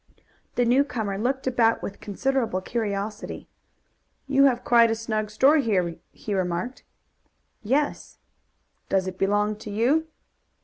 The newcomer looked about with considerable curiosity. "You have quite a snug store here," he remarked. "Yes." "Does it belong to you?"